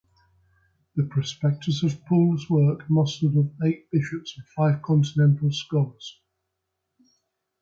The prospectus of Poole's work mustered of eight bishops and five continental scholars.